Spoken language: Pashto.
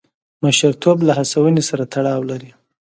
مشرتوب له هڅونې سره تړاو لري.